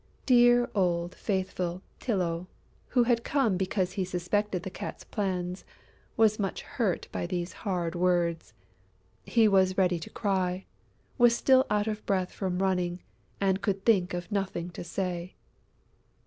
Dear old faithful Tylô, who had come because he suspected the Cat's plans, was much hurt by these hard words. He was ready to cry, was still out of breath from running and could think of nothing to say.